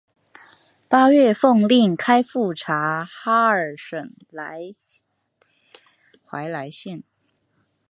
八月奉令开赴察哈尔省怀来县。